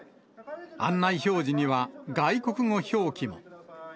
案内表示には、外国語表記も。